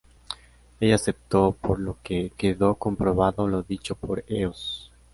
Ella aceptó, por lo que quedó comprobado lo dicho por Eos.